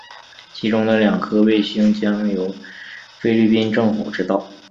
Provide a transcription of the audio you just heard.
其中的两颗卫星将由菲律宾政府制造。